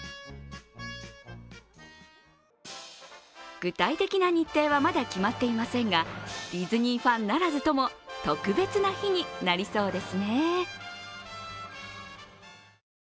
具体的な日程はまだ決まっていませんが、ディズニーファンならずとも特別な日になりそうですね。